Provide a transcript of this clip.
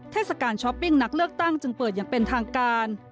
เทศกาลช้อปปิ้งนักเลือกตั้งจึงเปิดอย่างเป็นทางการ